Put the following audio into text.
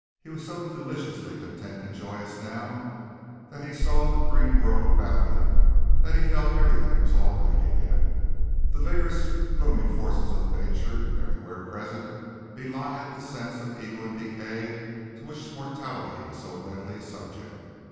He was so deliciously contented and joyous now that he saw the green world about him, that he felt that everything was all right again. The vigorous blooming forces of nature everywhere present belied the sense of evil and decay to which mortality is so readily subject.